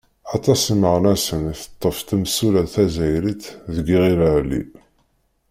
Aṭas imeɣnasen i teṭṭef temsulta tazzayrit deg Iɣil Ɛli.